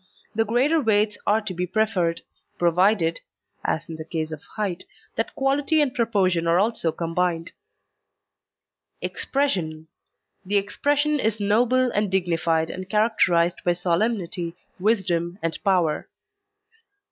The greater weights are to be preferred, provided (as in the case of height) that quality and proportion are also combined. EXPRESSION The expression is noble and dignified and characterised by solemnity, wisdom and power.